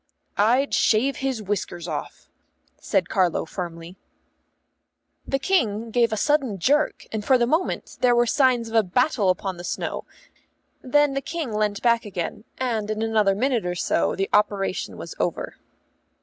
"I'd shave his whiskers off," said Carlo firmly. The King gave a sudden jerk, and for the moment there were signs of a battle upon the snow; then the King leant back again, and in another minute or so the operation was over.